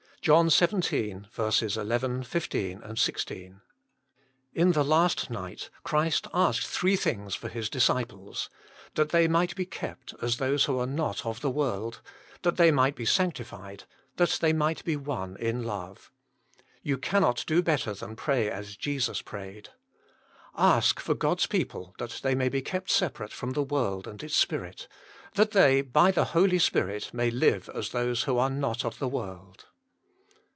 JOHN xvii. 11, 15, 16. In the last night Christ asked three things for His disciples : that they might be kept as those who are not of the world ; that they might be sanctified ; that they might be one in love. You cannot do better than pray as Jesus prayed. Ask for God s people that they may be kept separate from the world and its spirit ; that they, by the Holy Spirit, may live as those who are not of the world.